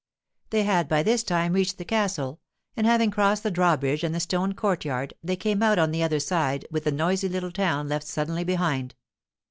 They had by this time reached the castle, and having crossed the drawbridge and the stone courtyard, they came out on the other side, with the noisy little town left suddenly behind.